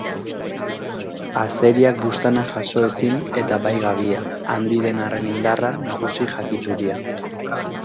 Azeriak buztana jaso ezin, eta bai gabia; handi den arren indarra, nagusi jakituria.